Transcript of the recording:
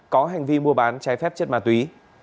có hành vi mua bán trái phép chất ma túy